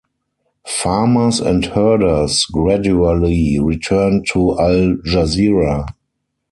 Farmers and herders gradually returned to Al Jazirah.